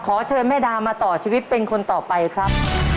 ขอเชิญแม่ดามาต่อชีวิตเป็นคนต่อไปครับ